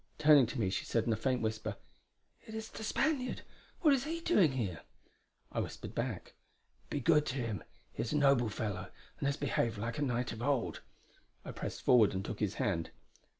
Turning to me she said in a faint whisper: "It is the Spaniard; what is he doing here?" I whispered back: "Be good to him. He is a noble fellow, and has behaved like a knight of old!" I pressed forward and took his hand.